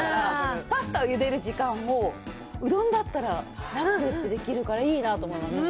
パスタをゆでる時間を、うどんだったら、できるからいいなと思いましたね。